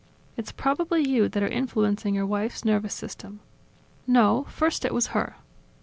It's probably you that are influencing your wife's nervous system." "No; first it was her."